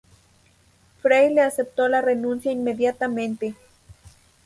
Frei le aceptó la renuncia inmediatamente.